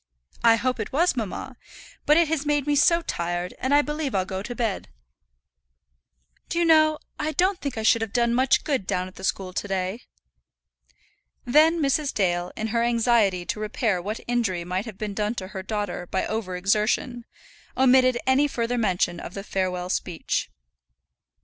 "I hope it was, mamma. But it has made me so tired, and I believe I'll go to bed. Do you know I don't think I should have done much good down at the school to day?" Then Mrs. Dale, in her anxiety to repair what injury might have been done to her daughter by over exertion, omitted any further mention of the farewell speech.